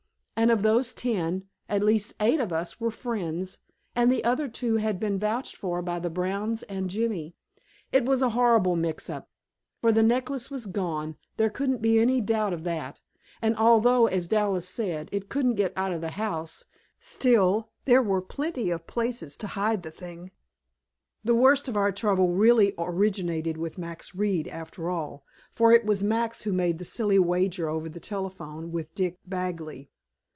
And of those ten, at least eight of us were friends, and the other two had been vouched for by the Browns and Jimmy. It was a horrible mix up. For the necklace was gone there couldn't be any doubt of that and although, as Dallas said, it couldn't get out of the house, still, there were plenty of places to hide the thing. The worst of our trouble really originated with Max Reed, after all. For it was Max who made the silly wager over the telephone, with Dick Bagley.